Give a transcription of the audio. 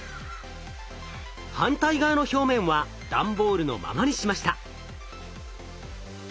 反対側の表面は段ボールのままにしました。